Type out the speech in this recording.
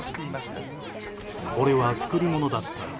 俺は作りものだった。